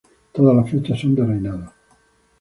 Todas las fechas son de reinado.